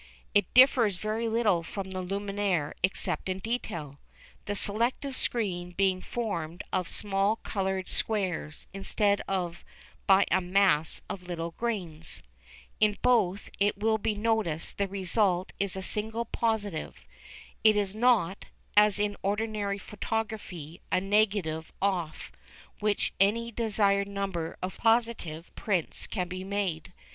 It differs very little from the Lumière except in detail, the selective screen being formed of small coloured squares instead of by a mass of little grains. In both, it will be noticed, the result is a single positive. It is not, as in ordinary photography, a negative off which any desired number of positive prints can be made.